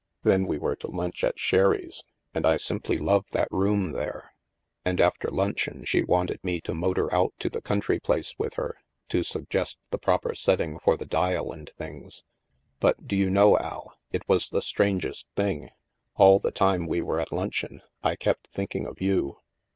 Then we were to lunch at Sherry's, and I simply love that room there. And after luncheon she wanted me to motor out to the country place with her, to suggest the proper setting for the dial and things. But, do you know, Al, it was the strangest thing : all the time we were at luncheon, I kept thinking of you."